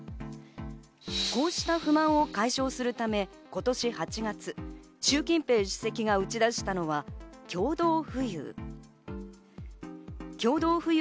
こうした不満を解消するため、今年８月、シュウ・キンペイ首席が打ち出したのは共同富裕。